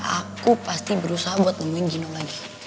aku pasti berusaha buat nemuin gino lagi